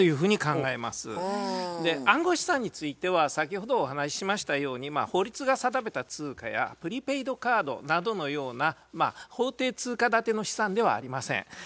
暗号資産については先ほどお話ししましたように法律が定めた通貨やプリペイドカードなどのような法定通貨建ての資産ではありません。